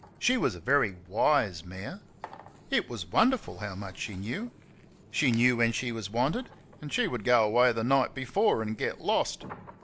She was a very wise mare. It was wonderful how much she know. She knew when she was wanted; and she would go away the night before and get lost.